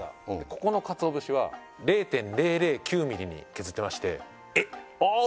ここの鰹節は０．００９ｍｍに削ってましてえっああ